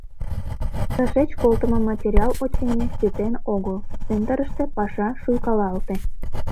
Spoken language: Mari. Тышеч колтымо материал, очыни, ситен огыл, центрыште паша шуйкалалте.